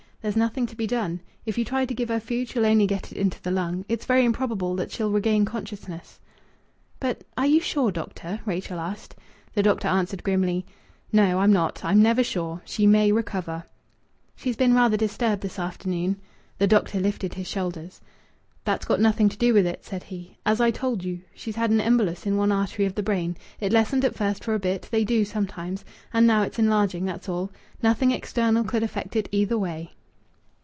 There's nothing to be done. If you try to give her food she'll only get it into the lung. It's very improbable that she'll regain consciousness." "But are you sure, doctor?" Rachel asked. The doctor answered grimly "No, I'm not I'm never sure. She may recover." "She's been rather disturbed this afternoon." The doctor lifted his shoulders. "That's got nothing to do with it," said he. "As I told you, she's had an embolus in one artery of the brain. It lessened at first for a bit they do sometimes and now it's enlarging, that's all. Nothing external could affect it either way."